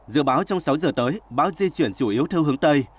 dự báo trong sáu giờ tới bão di chuyển chủ yếu theo hướng tây